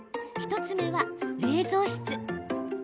１つ目は冷蔵室。